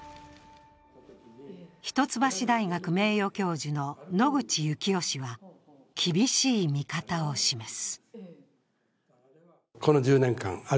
一橋大学名誉教授の野口悠紀雄氏は厳しい見方を示す。